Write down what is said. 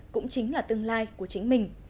cũng chính là tương lai của chính mình